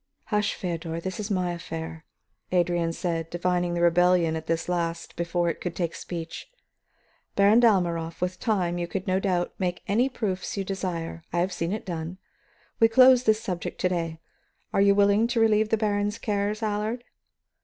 "Hush, Feodor; this is my affair," Adrian said, divining the rebellion at this last before it could take speech. "Baron Dalmorov, with time you could no doubt make any proofs you desire; I have seen it done. We close this subject to day. Are you willing to relieve the baron's cares, Allard?"